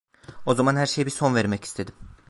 O zaman her şeye bir son vermek istedim.